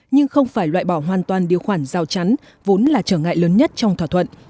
nhưng không phải loại bỏ hoàn toàn điều khoản giao chắn vốn là trở ngại lớn nhất trong thỏa thuận